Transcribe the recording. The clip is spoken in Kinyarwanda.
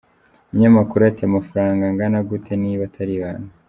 Umunyamakuru ati amafaranga angana gute niba atari ibanga?.